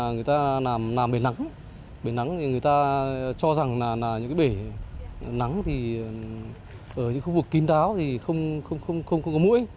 người ta làm bể nắng bể nắng thì người ta cho rằng là những cái bể nắng thì ở những khu vực kín đáo thì không có mũi